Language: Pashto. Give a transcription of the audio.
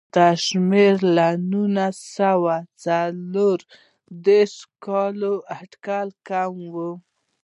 دا شمېر له نولس سوه څلور دېرش کال اټکل کم و.